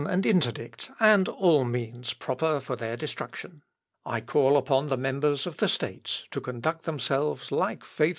and interdict, and all means proper for their destruction. I call upon the members of the states to conduct themselves like faithful Christians."